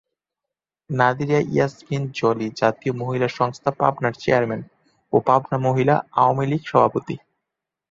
নাদিরা ইয়াসমিন জলি জাতীয় মহিলা সংস্থা পাবনার চেয়ারম্যান ও পাবনা মহিলা আওয়ামী লীগ সভাপতি।